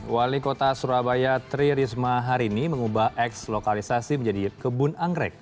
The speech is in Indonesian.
wali kota surabaya tri risma hari ini mengubah eks lokalisasi menjadi kebun anggrek